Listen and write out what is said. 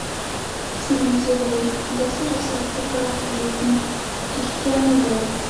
سیمونز وویل: دا سراسر درواغ دي، ریښتیا نه وایې.